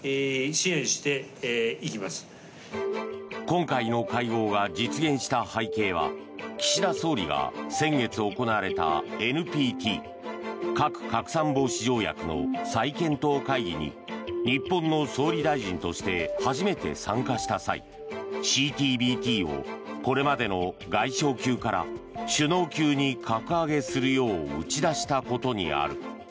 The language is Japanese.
今回の会合が実現した背景は岸田総理が先月行われたＮＰＴ・核拡散防止条約の再検討会議に日本の総理大臣として初めて参加した際、ＣＴＢＴをこれまでの外相級から首脳級に格上げするよう打ち出したことにある。